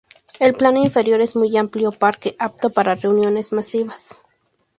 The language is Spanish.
El plano inferior es un amplio parque, apto para reuniones masivas.